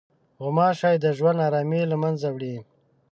غوماشې د ژوند ارامي له منځه وړي.